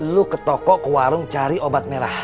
lu ke toko ke warung cari obat merah